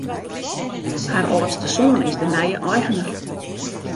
Har âldste soan is de nije eigner.